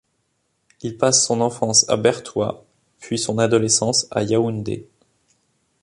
Il passe son enfance à Bertoua, puis son adolescence à Yaoundé.